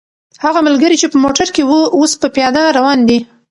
هغه ملګری چې په موټر کې و، اوس په پیاده روان دی.